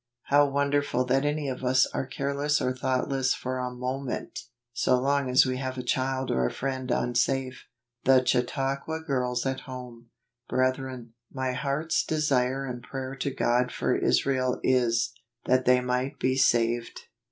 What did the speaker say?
How wonderful that any of us are careless or thoughtless for a moment, so long as we have a child or a friend unsafe. The Chautauqua Girls at Horae. " Brethren, my heart's desire and prayer to God for Isiael is, that they might be saved."